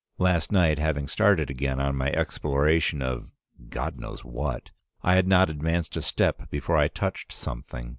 Last night, having started again on my exploration of, God knows what, I had not advanced a step before I touched something.